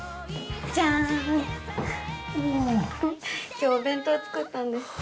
今日お弁当作ったんです。